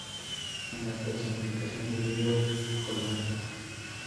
Es la personificación del río Jordán.